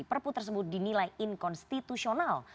perpu tersebut dinilai inkonstitusional